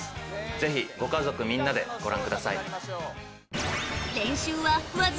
ぜひご家族みんなでご覧ください。